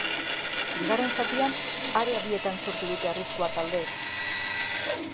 Bigarren zatian, area bietan sortu dute arriskua taldeek.